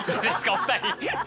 お二人！